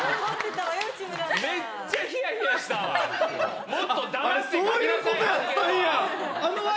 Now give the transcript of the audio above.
めっちゃひやひやしたわ。